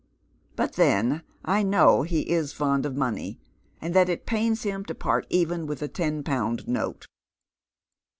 But then I know he is fond of money, and that it pains liim to part even with a ten pound note."